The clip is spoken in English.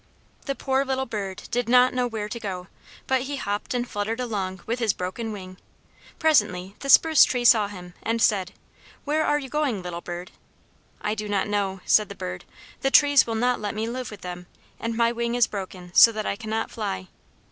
The poor little bird did not know where to go; but he hopped and fluttered along with his broken wing. Presently the spruce tree saw him, and said, "Where are you going, little bird?" "I do not know," said the bird; "the trees will not let me live with them, and my wing is broken so that I cannot fly."